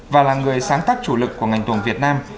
và là người sáng tác chủ lực của ngành tuồng việt nam